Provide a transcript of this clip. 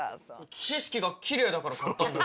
景色がきれいだったから買ったんだよ。